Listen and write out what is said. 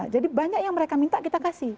jadi banyak yang mereka minta kita kasih